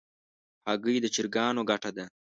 هګۍ د چرګانو ګټه ده.